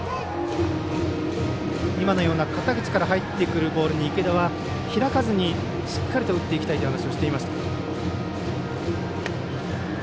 肩口から入ってくるボールに池田は開かずにしっかりと打っていきたいという話をしていました。